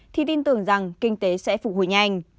thì tin tưởng rằng kinh tế sẽ phục hồi nhanh